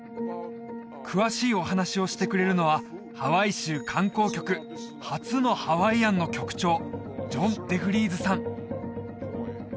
詳しいお話をしてくれるのはハワイ州観光局初のハワイアンの局長ジョン・デ・フリーズさん